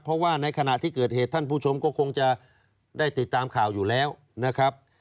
เพราะว่าในขณะที่เกิดเหตุท่านผู้ชมก็คงจะได้ติดตามข่าวอยู่แล้วนะครับ